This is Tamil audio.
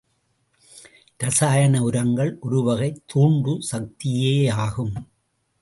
ரசாயன உரங்கள் ஒருவகைத்தூண்டு சக்தியேயாகும்.